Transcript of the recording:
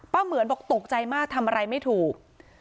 เหมือนบอกตกใจมากทำอะไรไม่ถูก